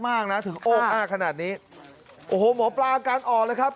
มากนะถึงโอ้้าขนาดนี้โอ้โหหมอปลาอาการออกเลยครับ